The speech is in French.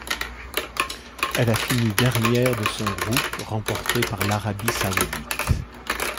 Elle a fini dernière de son groupe, remporté par l'Arabie saoudite.